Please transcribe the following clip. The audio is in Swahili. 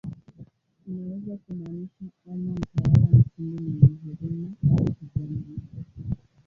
Inaweza kumaanisha ama "mtawala mshindi mwenye huruma" au "kijana, mtoto".